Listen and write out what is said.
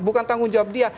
bukan tanggung jawab dia